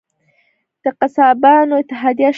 د قصابانو اتحادیه شته؟